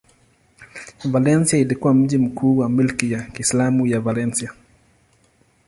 Valencia ilikuwa mji mkuu wa milki ya Kiislamu ya Valencia.